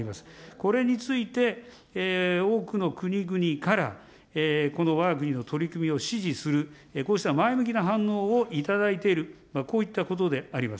これについて、多くの国々から、このわが国の取り組みを支持する、こうした前向きな反応を頂いている、こういったことであります。